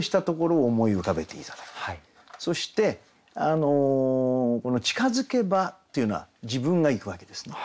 そして「近づけば」というのは自分が行くわけですね。